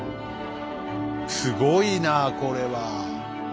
すごいなあこれは。